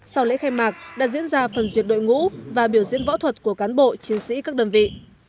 sau lễ khai mạc đã diễn ra phần duyệt đội ngũ và biểu diễn võ thuật của cán bộ chiến sĩ các đơn vị